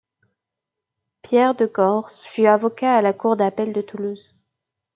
Pierre de Gorsse fut avocat à la Cour d'appel de Toulouse.